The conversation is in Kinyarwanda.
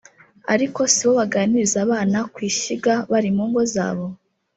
ariko sibo baganiriza abana ku ishyiga bari mu ngo zabo